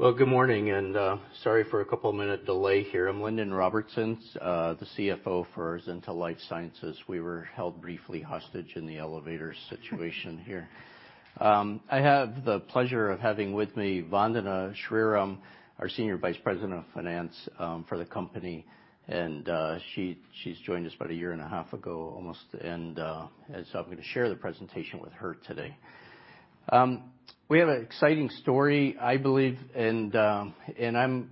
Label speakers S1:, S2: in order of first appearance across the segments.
S1: Well, good morning, and sorry for a couple minute delay here. I'm Lindon Robertson, the CFO for Azenta Life Sciences. We were held briefly hostage in the elevator situation here. I have the pleasure of having with me Vandana Sriram, our Senior Vice President of Finance for the company. She's joined us about a year and a half ago almost, and so I'm gonna share the presentation with her today. We have an exciting story, I believe, and I'm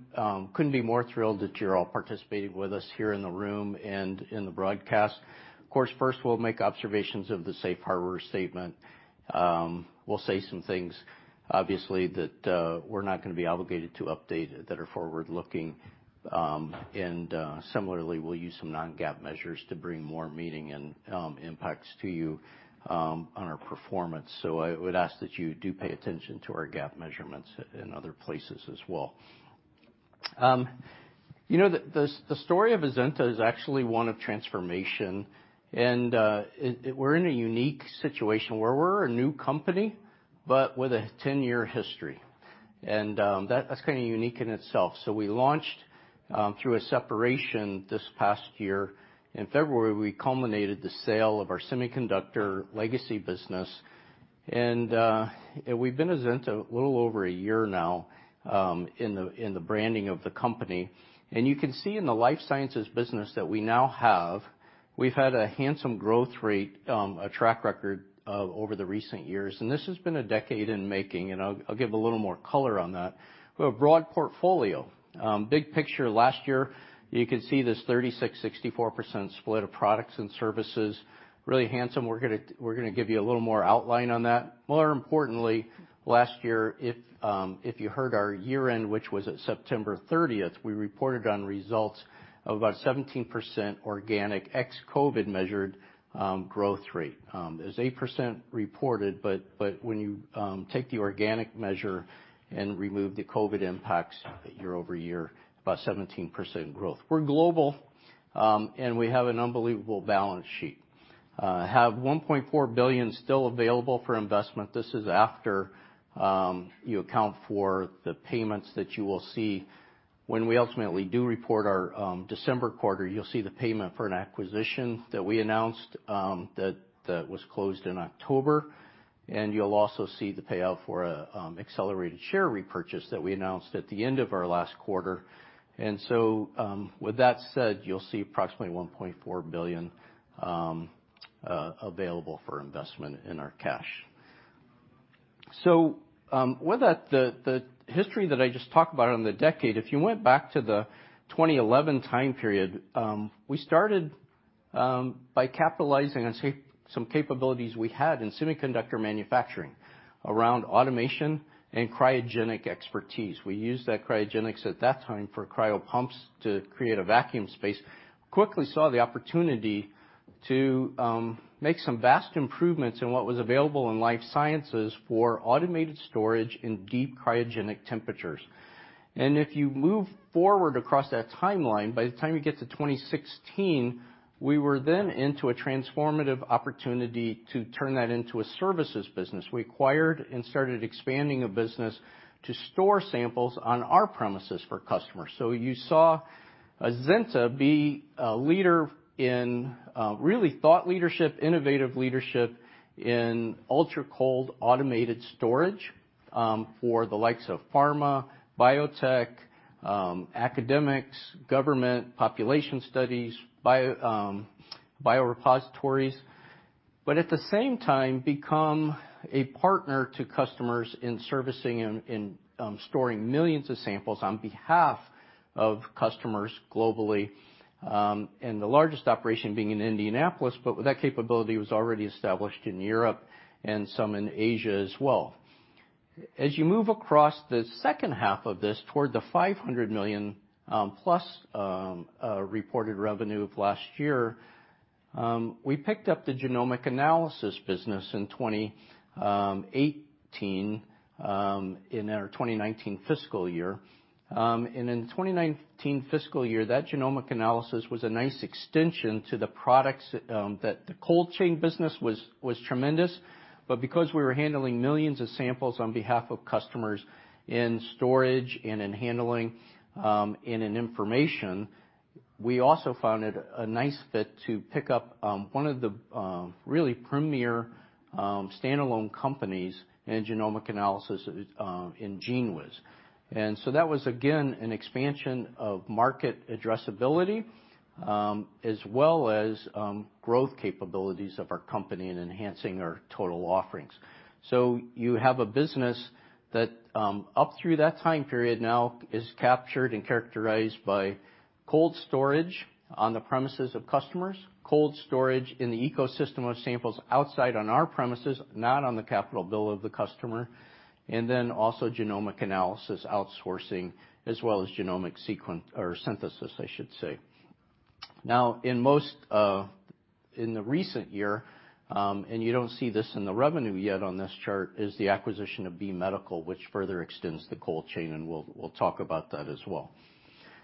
S1: couldn't be more thrilled that you're all participating with us here in the room and in the broadcast. Of course, first we'll make observations of the safe harbor statement. We'll say some things, obviously, that we're not gonna be obligated to update that are forward-looking. Similarly, we'll use some non-GAAP measures to bring more meaning and impacts to you on our performance. I would ask that you do pay attention to our GAAP measurements in other places as well. You know, the story of Azenta is actually one of transformation, it, we're in a unique situation where we're a new company, but with a 10-year history, and that's kinda unique in itself. We launched through a separation this past year. In February, we culminated the sale of our semiconductor legacy business, and we've been Azenta a little over a year now in the branding of the company. You can see in the life sciences business that we now have, we've had a handsome growth rate, a track record of over the recent years. This has been a decade in making, I'll give a little more color on that. We have a broad portfolio. Big picture last year, you could see this 36% and 64% split of products and services, really handsome. We're gonna give you a little more outline on that. More importantly, last year if you heard our year-end, which was at September 30th, we reported on results of about 17% organic ex-COVID measured growth rate. It was 8% reported, but when you take the organic measure and remove the COVID impacts year-over-year, about 17% growth. We're global, and we have an unbelievable balance sheet. Have $1.4 billion still available for investment. This is after you account for the payments that you will see. When we ultimately do report our December quarter, you'll see the payment for an acquisition that we announced that was closed in October, and you'll also see the payout for accelerated share repurchase that we announced at the end of our last quarter. With that said, you'll see approximately $1.4 billion available for investment in our cash. With that, the history that I just talked about on the decade, if you went back to the 2011 time period, we started by capitalizing on some capabilities we had in semiconductor manufacturing around automation and cryogenic expertise. We used that cryogenics at that time for cryo pumps to create a vacuum space. Quickly saw the opportunity to make some vast improvements in what was available in life sciences for automated storage in deep cryogenic temperatures. If you move forward across that timeline, by the time you get to 2016, we were then into a transformative opportunity to turn that into a services business. We acquired and started expanding a business to store samples on our premises for customers. You saw Azenta be a leader in really thought leadership, innovative leadership in ultra-cold automated storage for the likes of pharma, biotech, academics, government, population studies, bio, biorepositories. At the same time, become a partner to customers in servicing and storing millions of samples on behalf of customers globally, and the largest operation being in Indianapolis. With that capability, it was already established in Europe and some in Asia as well. As you move across the second half of this, toward the $500 million plus reported revenue of last year, we picked up the genomic analysis business in 2018 in our 2019 fiscal year. In 2019 fiscal year, that genomic analysis was a nice extension to the products that the cold chain business was tremendous. Because we were handling millions of samples on behalf of customers in storage and in handling and in information, we also found it a nice fit to pick up one of the really premier standalone companies in genomic analysis in GENEWIZ. That was, again, an expansion of market addressability as well as growth capabilities of our company and enhancing our total offerings. You have a business that, up through that time period now is captured and characterized by cold storage on the premises of customers, cold storage in the ecosystem of samples outside on our premises, not on the capital bill of the customer, and then also genomic analysis outsourcing, as well as genomic synthesis I should say. In most, in the recent year, and you don't see this in the revenue yet on this chart, is the acquisition of B Medical, which further extends the cold chain, and we'll talk about that as well.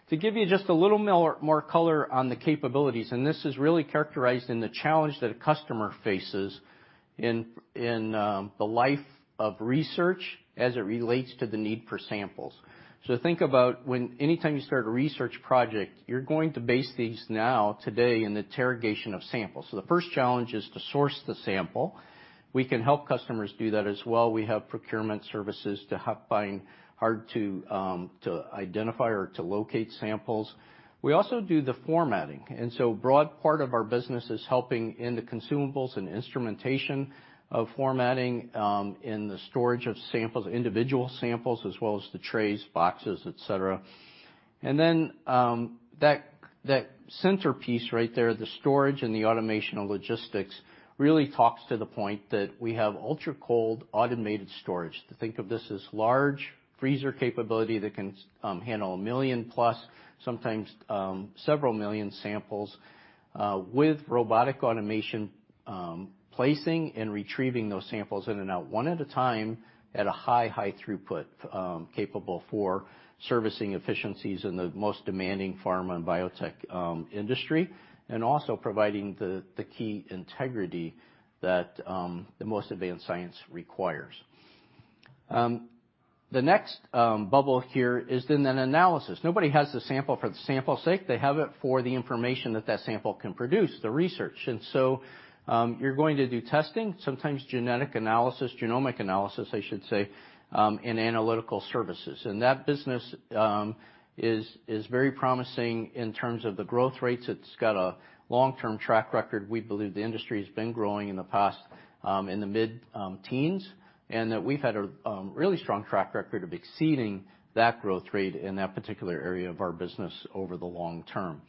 S1: To give you just a little more color on the capabilities, and this is really characterized in the challenge that a customer faces in the life of research as it relates to the need for samples. Think about when anytime you start a research project, you're going to base these now today in the interrogation of samples. The first challenge is to source the sample. We can help customers do that as well. We have procurement services to help finding hard to identify or to locate samples. We also do the formatting, broad part of our business is helping in the consumables and instrumentation of formatting, in the storage of samples, individual samples, as well as the trays, boxes, et cetera. That centerpiece right there, the storage and the automation of logistics really talks to the point that we have ultracold automated storage to think of this as large freezer capability that can handle 1 million-plus, sometimes, several million samples, with robotic automation, placing and retrieving those samples in and out, one at a time, at a high, high throughput, capable for servicing efficiencies in the most demanding pharma and biotech industry, and also providing the key integrity that the most advanced science requires. The next bubble here is an analysis. Nobody has the sample for the sample's sake. They have it for the information that that sample can produce, the research. So, you're going to do testing, sometimes genetic analysis, genomic analysis, I should say, and analytical services. That business is very promising in terms of the growth rates. It's got a long-term track record. We believe the industry's been growing in the past, in the mid-teens, and that we've had a really strong track record of exceeding that growth rate in that particular area of our business over the long term.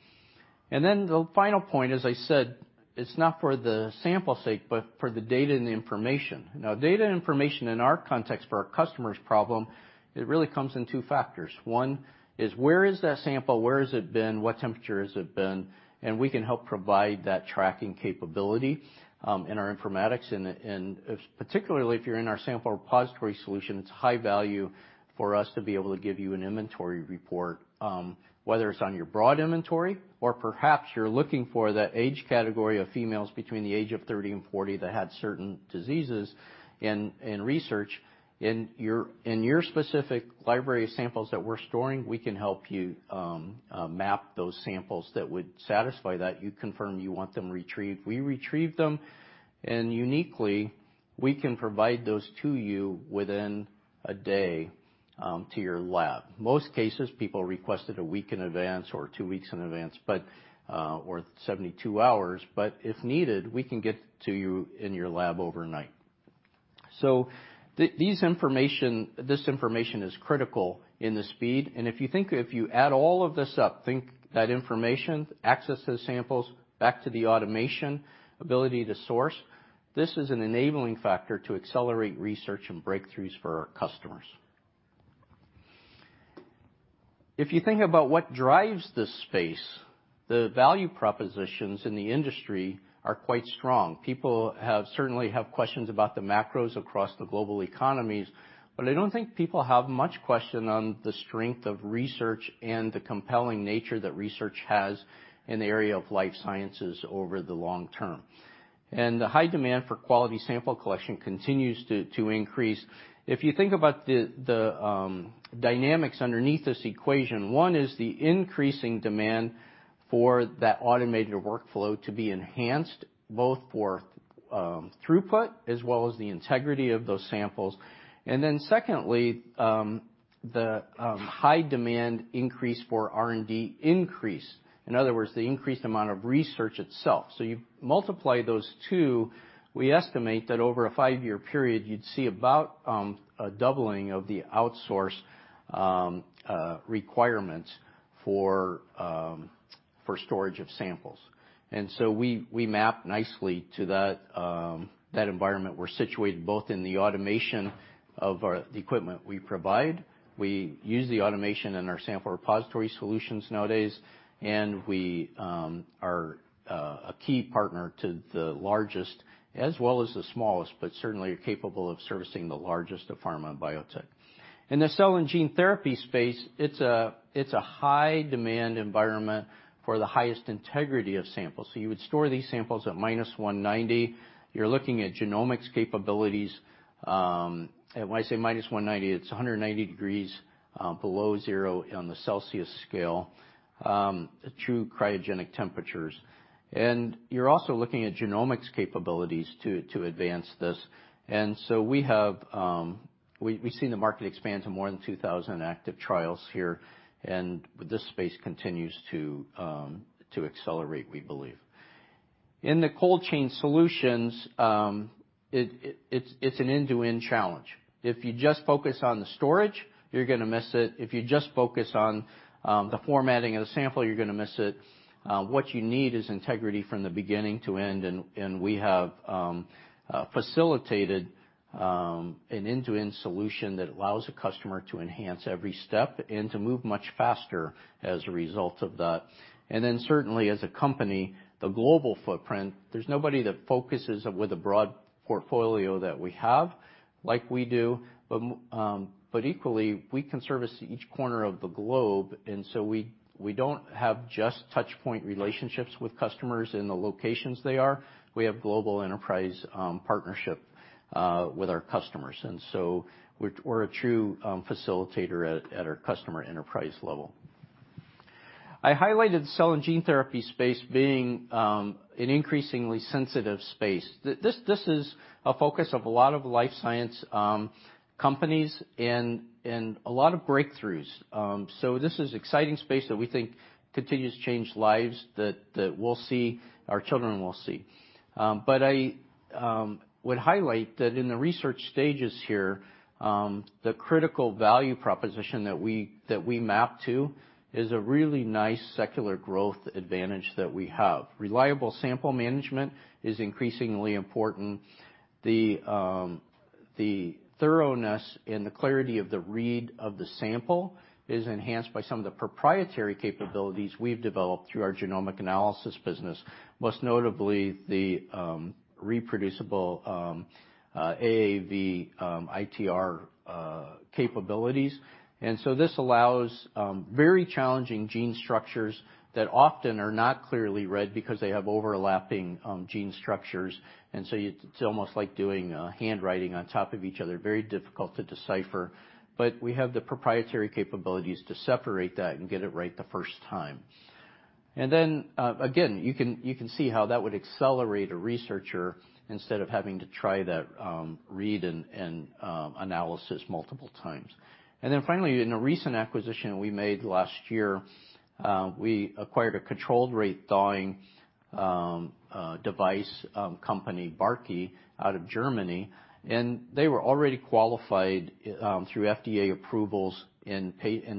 S1: The final point, as I said, it's not for the sample's sake, but for the data and the information. Now, data and information in our context for our customer's problem, it really comes in two factors. One is, where is that sample? Where has it been? What temperature has it been? We can help provide that tracking capability in our informatics. Particularly if you're in our sample repository solution, it's high value for us to be able to give you an inventory report, whether it's on your broad inventory or perhaps you're looking for that age category of females between the age of 30 and 40 that had certain diseases in research. In your specific library samples that we're storing, we can help you map those samples that would satisfy that. You confirm you want them retrieved. We retrieve them, and uniquely, we can provide those to you within a day to your lab. Most cases, people request it a week in advance or two weeks in advance, but or 72 hours. If needed, we can get to you in your lab overnight. This information is critical in the speed, and if you think if you add all of this up, think that information, access to the samples, back to the automation, ability to source, this is an enabling factor to accelerate research and breakthroughs for our customers. If you think about what drives this space, the value propositions in the industry are quite strong. People have, certainly have questions about the macros across the global economies, but I don't think people have much question on the strength of research and the compelling nature that research has in the area of life sciences over the long term. The high demand for quality sample collection continues to increase. If you think about the dynamics underneath this equation, one is the increasing demand for that automated workflow to be enhanced both for throughput as well as the integrity of those samples. Secondly, the high demand increase for R&D increase. In other words, the increased amount of research itself. You multiply those two, we estimate that over a five-year period, you'd see about a doubling of the outsource requirements for storage of samples. We map nicely to that environment. We're situated both in the automation of the equipment we provide. We use the automation in our sample repository solutions nowadays, and we are a key partner to the largest as well as the smallest, but certainly are capable of servicing the largest of pharma and biotech. In the cell and gene therapy space, it's a high-demand environment for the highest integrity of samples. You would store these samples at -190°C. You're looking at genomics capabilities. When I say -190°C, it's 190°C below zero on the Celsius scale, true cryogenic temperatures. You're also looking at genomics capabilities to advance this. We've seen the market expand to more than 2,000 active trials here, and this space continues to accelerate, we believe. In the cold chain solutions, it's an end-to-end challenge. If you just focus on the storage, you're gonna miss it. If you just focus on the formatting of the sample, you're gonna miss it. What you need is integrity from the beginning to end, and we have facilitated an end-to-end solution that allows a customer to enhance every step and to move much faster as a result of that. Certainly as a company, the global footprint, there's nobody that focuses with a broad portfolio that we have like we do, but equally, we can service each corner of the globe, and so we don't have just touch point relationships with customers in the locations they are, we have global enterprise partnership with our customers. So we're a true facilitator at our customer enterprise level. I highlighted cell and gene therapy space being an increasingly sensitive space. This is a focus of a lot of life science companies and a lot of breakthroughs. This is exciting space that we think continues to change lives that we'll see, our children will see. I would highlight that in the research stages here, the critical value proposition that we, that we map to, is a really nice secular growth advantage that we have. Reliable sample management is increasingly important. The thoroughness and the clarity of the read of the sample is enhanced by some of the proprietary capabilities we've developed through our genomic analysis business, most notably the reproducible AAV ITR capabilities. This allows very challenging gene structures that often are not clearly read because they have overlapping gene structures, and so it's almost like doing handwriting on top of each other. Very difficult to decipher. We have the proprietary capabilities to separate that and get it right the first time. Again, you can see how that would accelerate a researcher instead of having to try that read and analysis multiple times. Finally, in a recent acquisition we made last year, we acquired a controlled rate thawing device company, Barkey, out of Germany. They were already qualified through FDA approvals and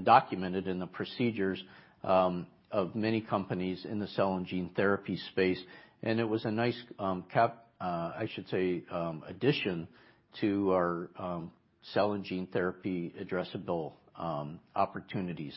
S1: documented in the procedures of many companies in the cell and gene therapy space. It was a nice addition to our cell and gene therapy addressable opportunities.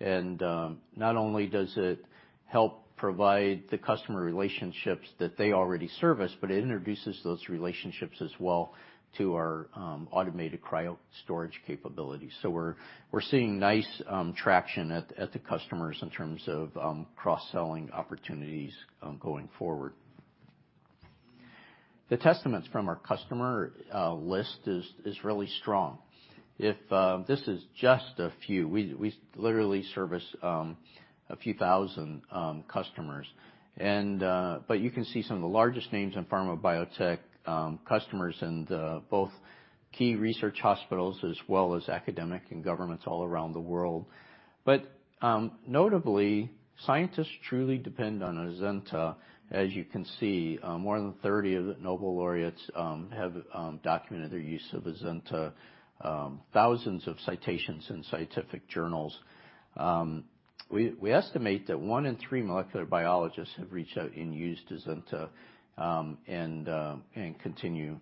S1: Not only does it help provide the customer relationships that they already service, but it introduces those relationships as well to our automated cryo storage capabilities. We're seeing nice traction at the customers in terms of cross-selling opportunities going forward. The testaments from our customer list is really strong. If this is just a few. We literally service a few thousand customers. But you can see some of the largest names in pharma biotech customers in the both key research hospitals as well as academic and governments all around the world. Notably, scientists truly depend on Azenta. As you can see, more than 30 of the Nobel laureates have documented their use of Azenta, thousands of citations in scientific journals. We estimate that one in three molecular biologists have reached out and used Azenta and continue.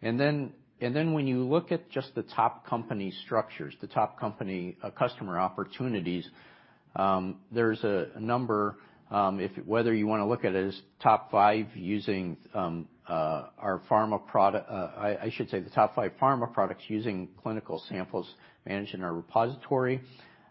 S1: When you look at just the top company structures, the top company customer opportunities, there's a number, if whether you wanna look at it as top five using our pharma products using clinical samples managed in our repository,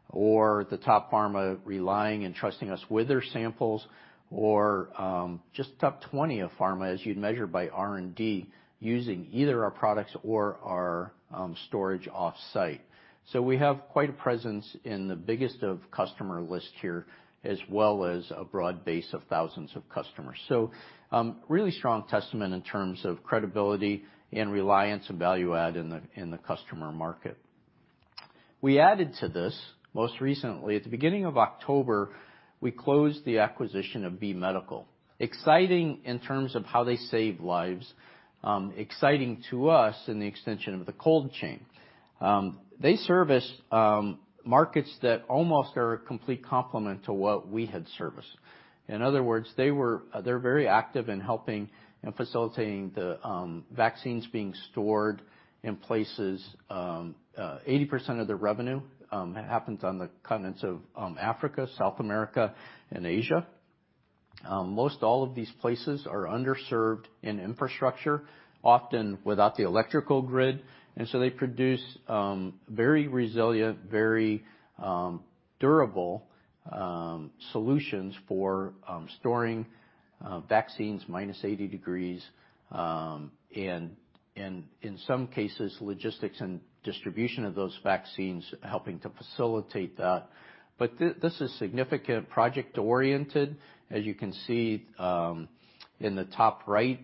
S1: or the top pharma relying and trusting us with their samples, or just top 20 of pharma, as you'd measure by R&D, using either our products or our storage off-site. We have quite a presence in the biggest of customer list here, as well as a broad base of thousands of customers. Really strong testament in terms of credibility and reliance and value add in the customer market. We added to this most recently, at the beginning of October, we closed the acquisition of B Medical Systems. Exciting in terms of how they save lives, exciting to us in the extension of the cold chain. They service markets that almost are a complete complement to what we had serviced. In other words, they're very active in helping and facilitating the vaccines being stored in places, 80% of their revenue happens on the continents of Africa, South America, and Asia. Most all of these places are underserved in infrastructure, often without the electrical grid, and so they produce very resilient, very durable solutions for storing vaccines -80°C, and in some cases, logistics and distribution of those vaccines helping to facilitate that. This is significant project-oriented. As you can see, in the top right,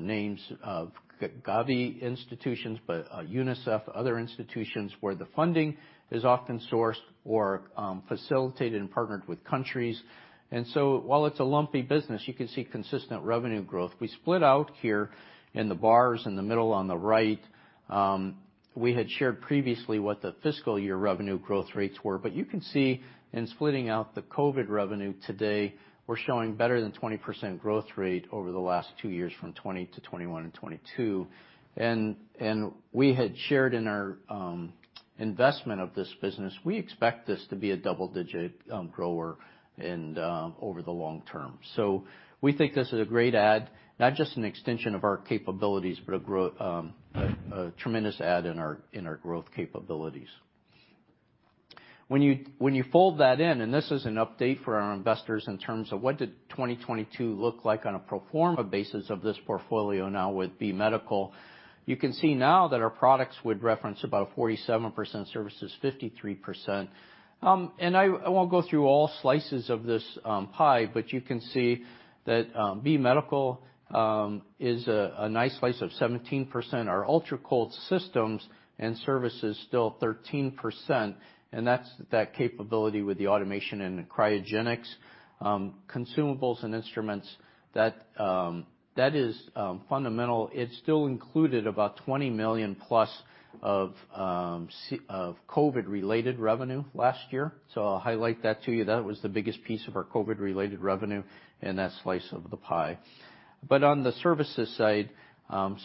S1: names of Gavi institutions, but UNICEF, other institutions where the funding is often sourced or facilitated and partnered with countries. While it's a lumpy business, you can see consistent revenue growth. We split out here in the bars in the middle on the right. We had shared previously what the fiscal year revenue growth rates were, but you can see in splitting out the COVID revenue today, we're showing better than 20% growth rate over the last two years from 2020 to 2021 and 2022. We had shared in our investment of this business, we expect this to be a double-digit grower and over the long term. We think this is a great add, not just an extension of our capabilities, but a tremendous add in our growth capabilities. When you fold that in, and this is an update for our investors in terms of what did 2022 look like on a pro forma basis of this portfolio now with B Medical. You can see now that our products would reference about 47% services, 53%. I won't go through all slices of this pie, but you can see that B Medical Systems is a nice slice of 17%. Our ultracold systems and services still 13%, and that's that capability with the automation and the cryogenics. Consumables and instruments, that is fundamental. It still included about $20 million+ of COVID related revenue last year. I'll highlight that to you. That was the biggest piece of our COVID related revenue in that slice of the pie. On the services side,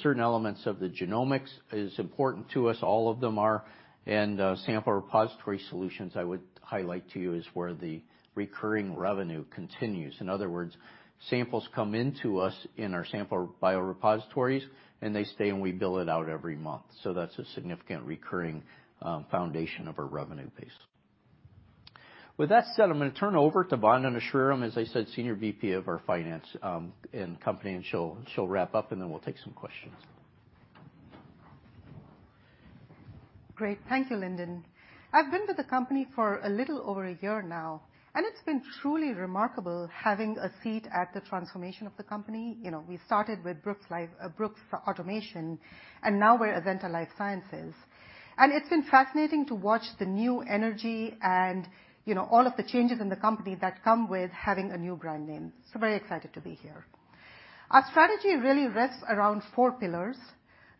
S1: certain elements of the genomics is important to us. All of them are. Sample repository solutions I would highlight to you is where the recurring revenue continues. In other words, samples come into us in our sample biorepositories, and they stay, and we bill it out every month. That's a significant recurring foundation of our revenue base. With that said, I'm gonna turn over to Vandana Sriram, as I said, Senior VP of our finance in the company, and she'll wrap up, and then we'll take some questions.
S2: Great. Thank you, Lindon. I've been with the company for a little over a year now, and it's been truly remarkable having a seat at the transformation of the company. You know, we started with Brooks Automation, and now we're Azenta Life Sciences. It's been fascinating to watch the new energy and, you know, all of the changes in the company that come with having a new brand name. Very excited to be here. Our strategy really rests around four pillars.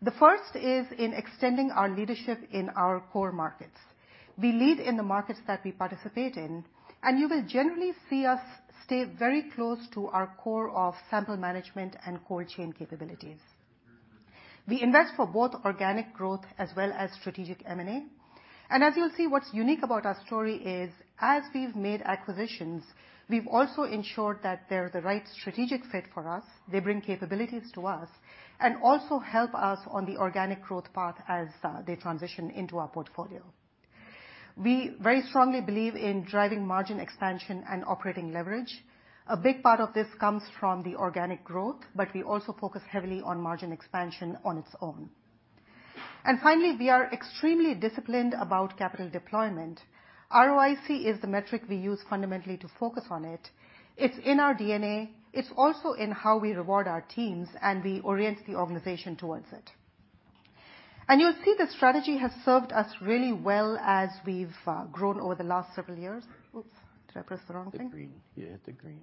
S2: The first is in extending our leadership in our core markets. We lead in the markets that we participate in, and you will generally see us stay very close to our core of sample management and cold chain capabilities. We invest for both organic growth as well as strategic M&A. As you'll see, what's unique about our story is, as we've made acquisitions, we've also ensured that they're the right strategic fit for us, they bring capabilities to us, and also help us on the organic growth path as they transition into our portfolio. We very strongly believe in driving margin expansion and operating leverage. A big part of this comes from the organic growth, but we also focus heavily on margin expansion on its own. Finally, we are extremely disciplined about capital deployment. ROIC is the metric we use fundamentally to focus on it. It's in our DNA. It's also in how we reward our teams, and we orient the organization towards it. You'll see the strategy has served us really well as we've grown over the last several years. Oops. Did I press the wrong thing?
S1: The green. Yeah, the green.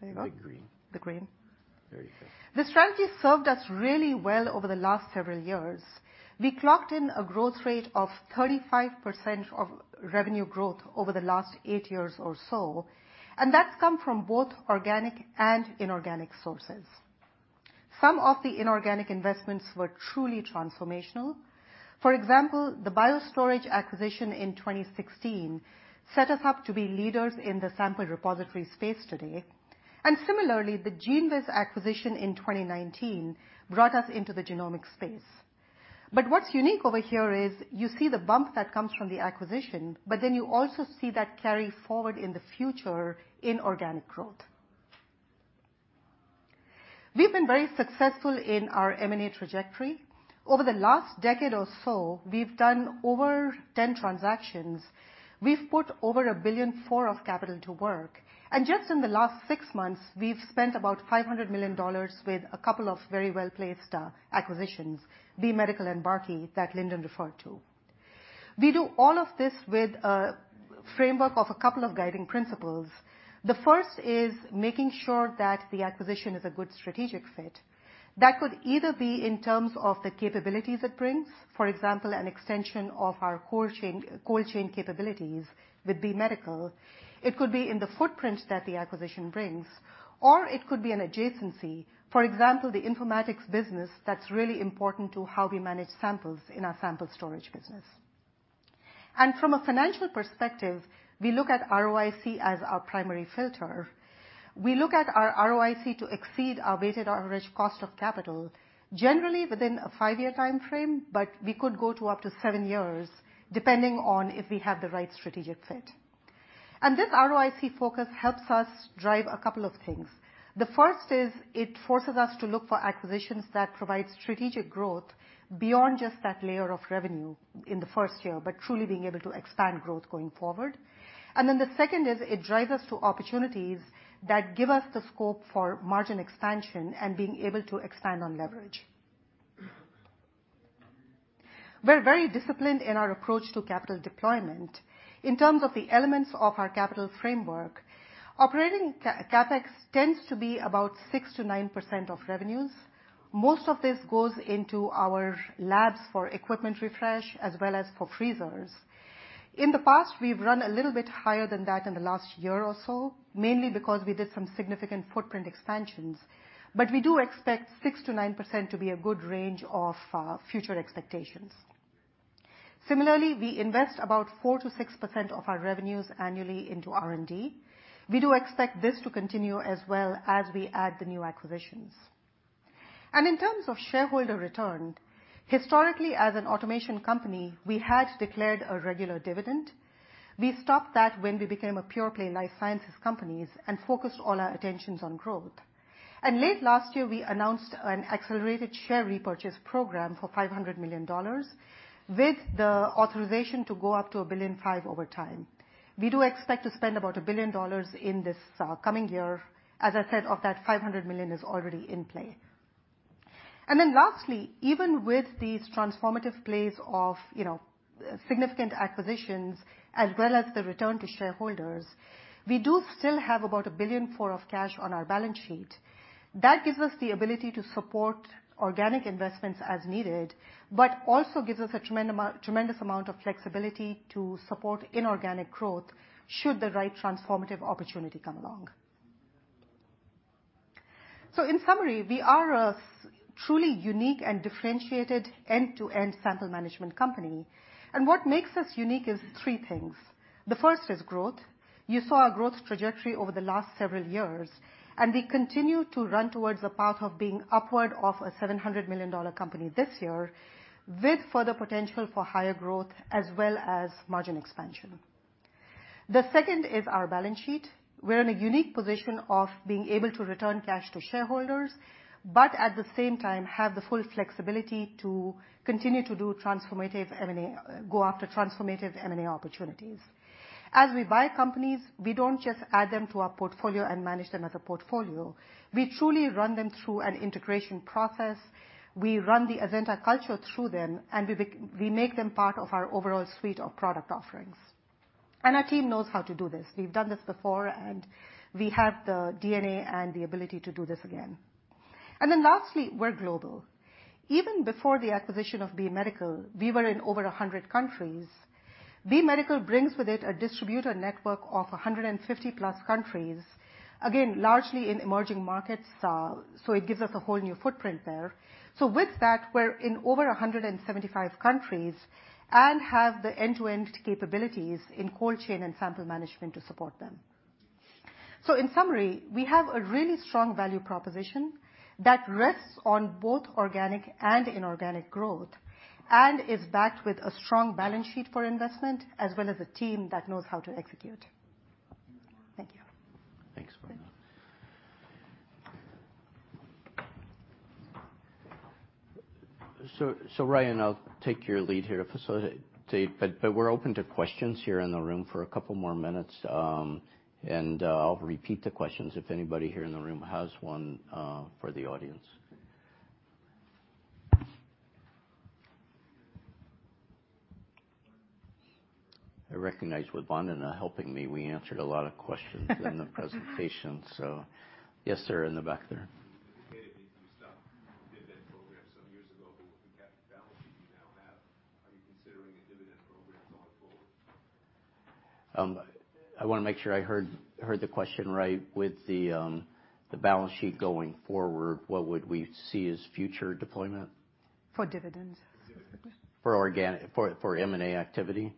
S2: There you go.
S1: The green.
S2: The green.
S1: Very good.
S2: The strategy served us really well over the last several years. We clocked in a growth rate of 35% of revenue growth over the last 8 years or so, that's come from both organic and inorganic sources. Some of the inorganic investments were truly transformational. For example, the BioStorage acquisition in 2016 set us up to be leaders in the sample repository space today. Similarly, the GENEWIZ acquisition in 2019 brought us into the genomics space. What's unique over here is you see the bump that comes from the acquisition, you also see that carry forward in the future in organic growth. We've been very successful in our M&A trajectory. Over the last decade or so, we've done over 10 transactions. We've put over $1.4 billion of capital to work. Just in the last six months, we've spent about $500 million with a couple of very well-placed acquisitions, B Medical and Barkey, that Lindon referred to. We do all of this with a framework of a couple of guiding principles. The first is making sure that the acquisition is a good strategic fit. That could either be in terms of the capabilities it brings, for example, an extension of our cold chain capabilities with B Medical. It could be in the footprint that the acquisition brings, or it could be an adjacency. For example, the informatics business that's really important to how we manage samples in our sample storage business. From a financial perspective, we look at ROIC as our primary filter. We look at our ROIC to exceed our weighted average cost of capital, generally within a five-year timeframe, but we could go to up to seven years, depending on if we have the right strategic fit. This ROIC focus helps us drive a couple of things. The first is it forces us to look for acquisitions that provide strategic growth beyond just that layer of revenue in the first year, but truly being able to expand growth going forward. The second is it drives us to opportunities that give us the scope for margin expansion and being able to expand on leverage. We're very disciplined in our approach to capital deployment. In terms of the elements of our capital framework, operating CapEx tends to be about 6%-9% of revenues. Most of this goes into our labs for equipment refresh as well as for freezers. In the past, we've run a little bit higher than that in the last year or so, mainly because we did some significant footprint expansions. We do expect 6%-9% to be a good range of future expectations. Similarly, we invest about 4%-6% of our revenues annually into R&D. We do expect this to continue as well as we add the new acquisitions. In terms of shareholder return, historically, as an automation company, we had declared a regular dividend. We stopped that when we became a pure-play life sciences companies and focused all our attentions on growth. Late last year, we announced an accelerated share repurchase program for $500 million with the authorization to go up to $1.5 billion over time. We do expect to spend about $1 billion in this coming year. As I said, of that, $500 million is already in play. Lastly, even with these transformative plays of, you know, significant acquisitions as well as the return to shareholders, we do still have about $1.4 billion of cash on our balance sheet. That gives us the ability to support organic investments as needed, but also gives us a tremendous amount of flexibility to support inorganic growth should the right transformative opportunity come along. In summary, we are a truly unique and differentiated end-to-end sample management company. What makes us unique is three things. The first is growth. You saw our growth trajectory over the last several years, we continue to run towards the path of being upward of a $700 million company this year, with further potential for higher growth as well as margin expansion. The second is our balance sheet. We're in a unique position of being able to return cash to shareholders, at the same time, have the full flexibility to continue to do transformative M&A, go after transformative M&A opportunities. As we buy companies, we don't just add them to our portfolio and manage them as a portfolio. We truly run them through an integration process. We run the Azenta culture through them, we make them part of our overall suite of product offerings. Our team knows how to do this. We've done this before, we have the DNA and the ability to do this again. Lastly, we're global. Even before the acquisition of B Medical Systems, we were in over 100 countries. B Medical brings with it a distributor network of 150-plus countries, again, largely in emerging markets, so it gives us a whole new footprint there. With that, we're in over 175 countries and have the end-to-end capabilities in cold chain and sample management to support them. In summary, we have a really strong value proposition that rests on both organic and inorganic growth and is backed with a strong balance sheet for investment as well as a team that knows how to execute. Thank you.
S1: Thanks, Vandana. Ryan, I'll take your lead here to facilitate. We're open to questions here in the room for a couple more minutes. I'll repeat the questions if anybody here in the room has one for the audience. I recognize with Vandana helping me, we answered a lot of questions in the presentation. Yes, sir, in the back there.
S3: You indicated that you stopped the dividend program some years ago. With the capital balances you now have, are you considering a dividend program going forward?
S1: I wanna make sure I heard the question right. With the balance sheet going forward, what would we see as future deployment?
S2: For dividends.
S3: For dividends.
S1: For M&A activity?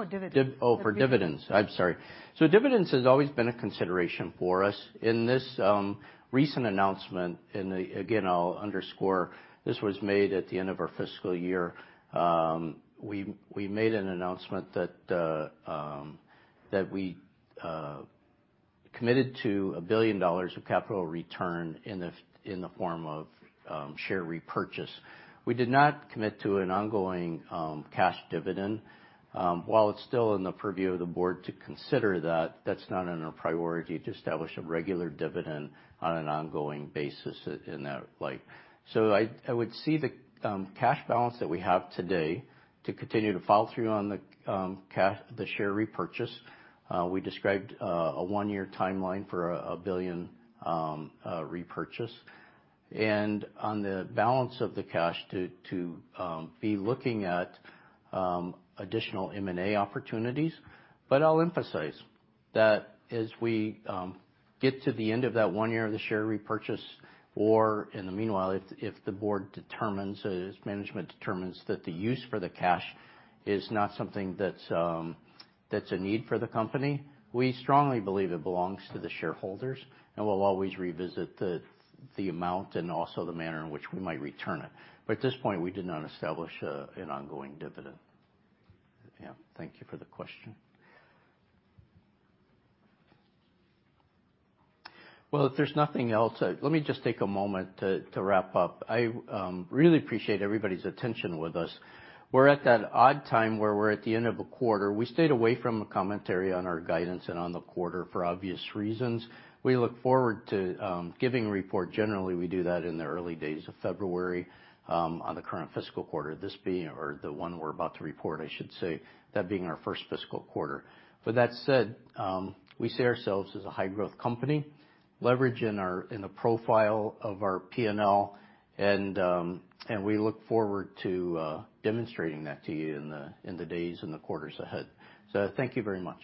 S3: No, dividends. Dividends. Dividends.
S2: For dividends.
S1: Oh, for dividends. I'm sorry. Dividends has always been a consideration for us. In this recent announcement, and again, I'll underscore this was made at the end of our fiscal year, we made an announcement that we committed to $1 billion of capital return in the form of share repurchase. We did not commit to an ongoing cash dividend. While it's still in the purview of the board to consider that's not in our priority to establish a regular dividend on an ongoing basis in that light. I would see the cash balance that we have today to continue to follow through on the cash, the share repurchase. We described a 1-year timeline for a $1 billion repurchase. On the balance of the cash to be looking at additional M&A opportunities. I'll emphasize that as we get to the end of that one year of the share repurchase or in the meanwhile, if the board determines, as management determines that the use for the cash is not something that's a need for the company, we strongly believe it belongs to the shareholders, and we'll always revisit the amount and also the manner in which we might return it. At this point, we did not establish an ongoing dividend. Yeah, thank you for the question. Well, if there's nothing else, let me just take a moment to wrap up. I really appreciate everybody's attention with us. We're at that odd time where we're at the end of a quarter. We stayed away from a commentary on our guidance and on the quarter for obvious reasons. We look forward to giving a report. Generally, we do that in the early days of February on the current fiscal quarter. This being or the one we're about to report, I should say, that being our first fiscal quarter. With that said, we see ourselves as a high-growth company, leverage in our, in the profile of our P&L, and we look forward to demonstrating that to you in the days and the quarters ahead. Thank you very much.